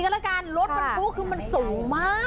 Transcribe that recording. รถมันผู้หรือมันสูงมาก